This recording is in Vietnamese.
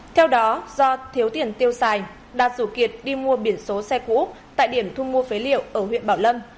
theo đó do thiếu tiền tiêu xài đạt dù kiệt đi mua biển số xe cũ tại điểm thu mua phế liệu ở huyện bảo lâm